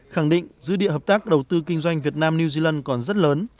khẳng định dư địa hợp tác đầu tư kinh doanh việt nam new zealand còn rất lớn